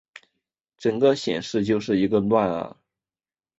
整个显示就是一个乱啊